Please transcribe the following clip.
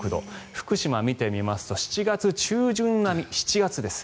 福島見てみますと、７月中旬並み７月です。